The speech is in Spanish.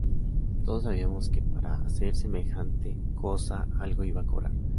Todos sabíamos que para hacer semejante cosa algo iba a cobrar.